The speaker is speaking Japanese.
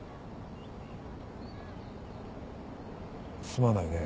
すまないね